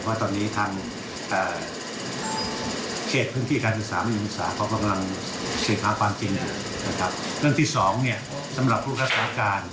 ว่าตอนนี้ในขั้นเกสพื้นที่ตาร์ดศิษย์สามหญิงอุตสาหก